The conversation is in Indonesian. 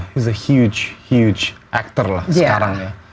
whist a huge huge actor lah sekarang ya